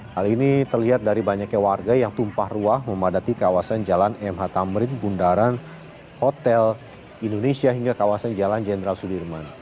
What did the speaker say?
hal ini terlihat dari banyaknya warga yang tumpah ruah memadati kawasan jalan mh tamrin bundaran hotel indonesia hingga kawasan jalan jenderal sudirman